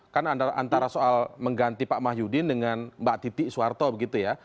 kan antara soal mengganti pak mahyudin dengan mbak titi soeharto begitu ya